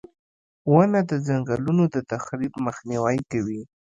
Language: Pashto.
• ونه د ځنګلونو د تخریب مخنیوی کوي.